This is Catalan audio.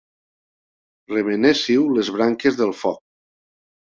Remenéssiu les branques del foc.